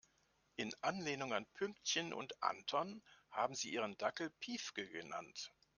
In Anlehnung an Pünktchen und Anton haben sie ihren Dackel Piefke genannt.